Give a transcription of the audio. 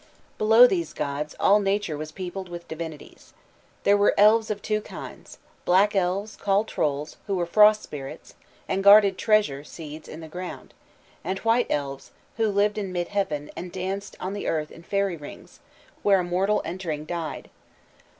Below these gods, all nature was peopled with divinities. There were elves of two kinds: black elves, called trolls, who were frost spirits, and guarded treasure (seeds) in the ground; and white elves, who lived in mid heaven, and danced on the earth in fairy rings, where a mortal entering died.